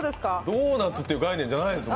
ドーナツという概念じゃないです。